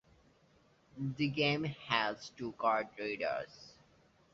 The game has two card readers.